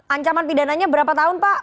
ancaman pidananya berapa tahun pak